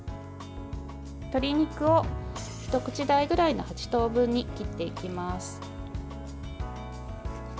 鶏肉を一口大ぐらいの８等分に切っていきます。